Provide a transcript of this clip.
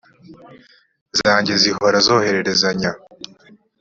zanjye zihora zohererezanya